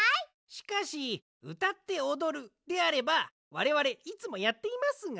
しかしうたっておどるであればわれわれいつもやっていますが。